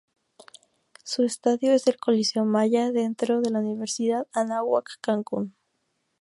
Su estadio es el Coliseo Maya dentro de la Universidad Anáhuac Cancún.